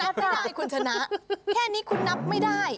ทำไมคุณชนะได้คุณชนะแค่นี้คุณนับไม่ได้